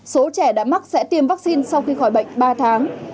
số trẻ đã mắc sẽ tiêm vaccine sau khi khỏi bệnh ba tháng